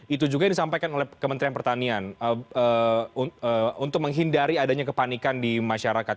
itu juga yang disampaikan oleh kementerian pertanian untuk menghindari adanya kepanikan di masyarakat